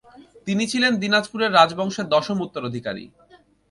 তিনি ছিলেন দিনাজপুর রাজবংশের দশম উত্তরাধিকারী।